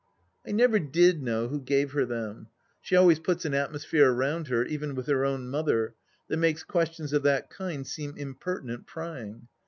I never did know who gave her them. She always puts an atmosphere round her, even with her own mother, that makes questions of that kind seem impertinent prying